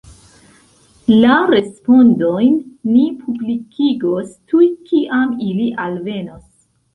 La respondojn ni publikigos tuj kiam ili alvenos.